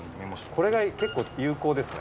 これが結構有効ですね。